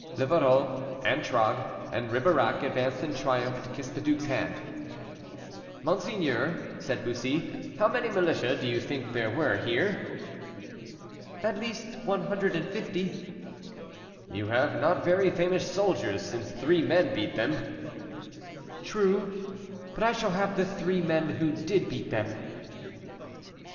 Livarot, Antragues, and Ribeirac advanced in triumph to kiss the duke's hand. "Monseigneur," said Bussy, "how many militia do you think there were here?" "At least one hundred and fifty." "You have not very famous soldiers, since three men beat them." "True, but I shall have the three men who did beat them."